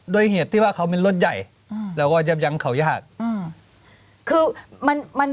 โดยเหตุที่ว่าเขาเป็นรถใหญ่แล้วก็ยังเขายากคือมันมัน